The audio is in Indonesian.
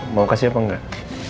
mau kasih apa enggak